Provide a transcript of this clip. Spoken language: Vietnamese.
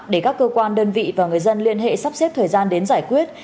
để các cơ quan đơn vị và người dân liên hệ sắp xếp thời gian đến giải quyết